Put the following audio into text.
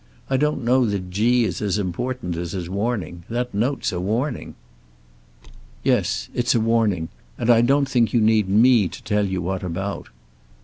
I don't know that 'G' is as important as his warning. That note's a warning." "Yes. It's a warning. And I don't think you need me to tell you what about."